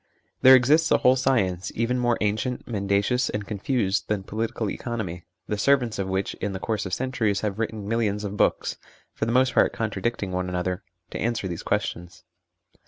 There exists a whole science, even more ancient, mendacious, and confused, than political economy, the servants of which in the course of centuries have written millions of books (for the most part contradicting one another) to answer these questions.